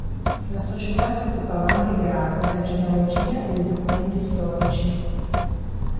La Società si occupava anche di araldica, genealogia e di documenti storici.